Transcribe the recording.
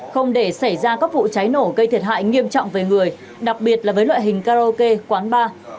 không để xảy ra các vụ cháy nổ gây thiệt hại nghiêm trọng về người đặc biệt là với loại hình karaoke quán bar